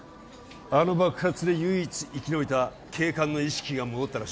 あの爆発で唯一生き延びた警官の意識が戻ったらしい